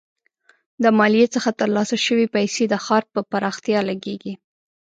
د مالیې څخه ترلاسه شوي پیسې د ښار پر پراختیا لګیږي.